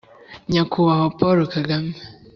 nyakubahwa paul kagame